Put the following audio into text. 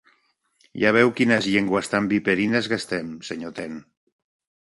Ja veu quines llengües tan viperines gastem, senyor Ten.